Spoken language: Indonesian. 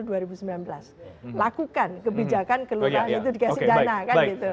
lakukan kebijakan kelurahan itu dikasih dana